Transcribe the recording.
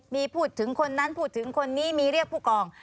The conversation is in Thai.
มีพูดถึงคนนั้นพูดถึงคนนี้มีเรียกผู้กอง